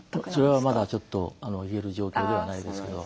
それはまだちょっと言える状況ではないですけど。